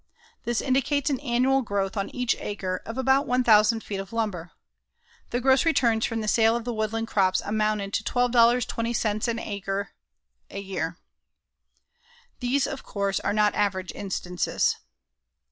This indicates an annual growth on each acre of about 1,000 feet of lumber. The gross returns from the sale of the woodland crops amounted to $12.20 an acre a year. These, of course, are not average instances.